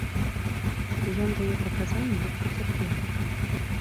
Ён дае паказанні як пацярпелы.